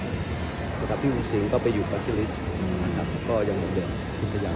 แล้วครับพี่บุษิงก็ไปอยู่กับพี่ลิสต์ครับก็ยังเหมือนเดิมพี่พยาว